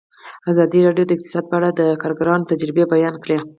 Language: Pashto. ازادي راډیو د اقتصاد په اړه د کارګرانو تجربې بیان کړي.